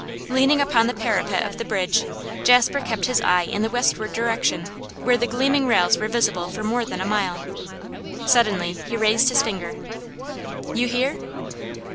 Leaning upon the parapet of the bridge, Jasper kept his eye in the westward direction, where the gleaming rails were visible for more than a mile. Suddenly he raised his finger. 'You hear?